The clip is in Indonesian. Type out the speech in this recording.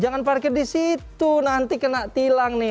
jangan parkir di situ nanti kena tilang nih